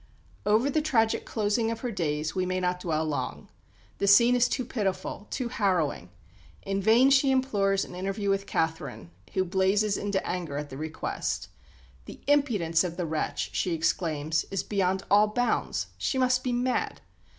Over the tragic closing of her days we may not dwell long. The scene is too pitiful, too harrowing. In vain she implores an interview with Catherine, who blazes into anger at the request. "The impudence of the wretch," she exclaims, "is beyond all bounds! She must be mad.